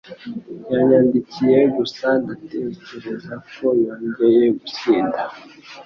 Yanyandikiye gusa. Ndatekereza ko yongeye gusinda.